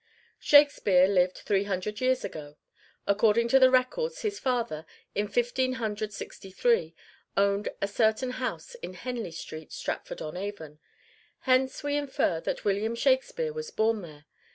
Shakespeare lived three hundred years ago. According to the records, his father, in Fifteen Hundred Sixty three, owned a certain house in Henley Street, Stratford on Avon. Hence we infer that William Shakespeare was born there.